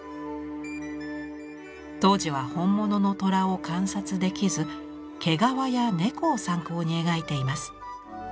当時は本物の虎を観察できず毛皮や猫を参考に描いています。